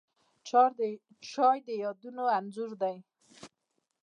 چای د یادونو انځور دی